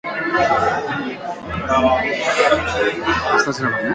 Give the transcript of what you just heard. En crida i cerca.